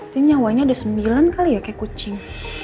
jadi nyawanya ada sembilan kali ya kayak kucing